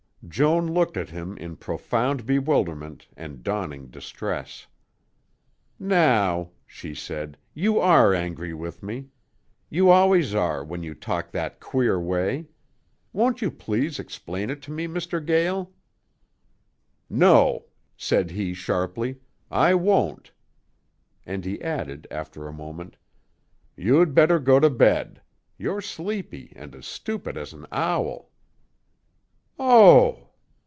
Joan looked at him in profound bewilderment and dawning distress. "Now," she said, "you are angry with me. You always are when you talk that queer way. Won't you please explain it to me, Mr. Gael?" "No!" said he sharply. "I won't." And he added after a moment, "You'd better go to bed. You're sleepy and as stupid as an owl." "Oh!"